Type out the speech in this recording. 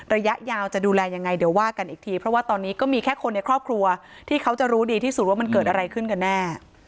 ระยะยาวจะดูแลยังไงเดี๋ยวว่ากันอีกทีเพราะว่าตอนนี้ก็มีแค่คนในครอบครัวที่เขาจะรู้ดีที่สุดว่ามันเกิดอะไรขึ้นกันแน่